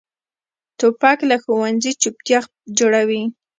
توپک له ښوونځي چپتیا جوړوي.